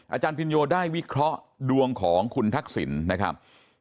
อาจารย์พินโยได้วิเคราะห์ดวงของคุณทักษิณนะครับ